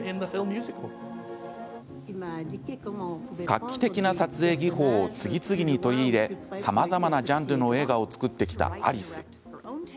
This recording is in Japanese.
画期的な撮影技法を次々に取り入れさまざまなジャンルの映画を作ってきたアリス。